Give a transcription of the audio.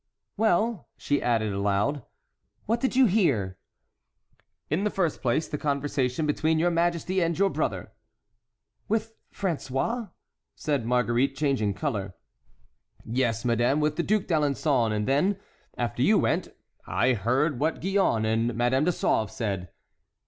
"Well," added she, aloud, "what did you hear?" "In the first place, the conversation between your majesty and your brother." "With François?" said Marguerite, changing color. "Yes, madame, with the Duc d'Alençon; and then after you went out I heard what Gillonne and Madame de Sauve said."